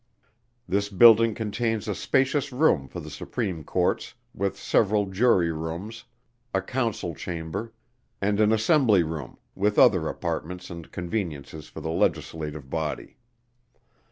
This building contains a spacious room for the Supreme Courts, with several Jury rooms, a Council Chamber, and an Assembly Room, with other apartments and conveniences for the Legislative Body.